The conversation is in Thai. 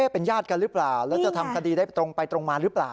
เป็นญาติกันหรือเปล่าแล้วจะทำคดีได้ตรงไปตรงมาหรือเปล่า